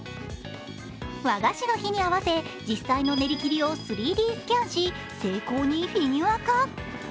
和菓子の日に合わせ、実際の練り切りを３Ｄスキャンし精巧にフィギュア化。